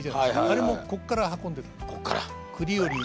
あれもこっから運んでた。